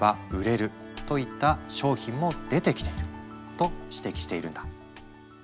と指摘しているんだ。